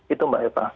itu mbak eva